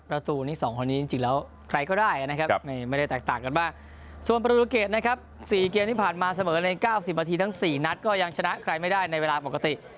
ประตูนี้๒คนนี้จริงแล้วใครก็ได้นะครับไม่ได้แตกต่างกันมากส่วนประตูเกตนะครับ๔เกมที่ผ่านมาเสมอใน๙๐นาทีทั้ง๔นัดก็ยังชนะใครไม่ได้ในเวลาปกติ